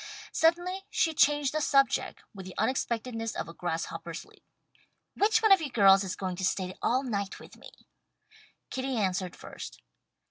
Suddenly she changed the subject, with the unexpectedness of a grasshopper's leap. "Which one of you girls is going to stay all night with me?" Kitty answered first.